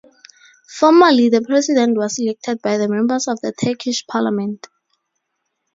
Formerly, the President was elected by the members of the Turkish Parliament.